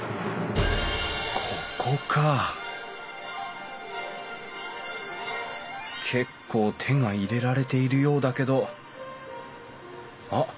ここか結構手が入れられているようだけどあっ